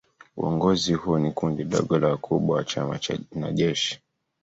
Uongozi huo ni kundi dogo la wakubwa wa chama na jeshi.